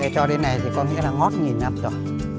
cho đến này thì có nghĩa là ngót nghìn năm rồi